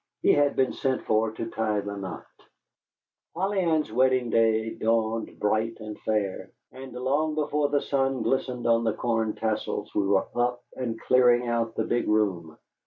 He had been sent for to tie the knot. Polly Ann's wedding day dawned bright and fair, and long before the sun glistened on the corn tassels we were up and clearing out the big room.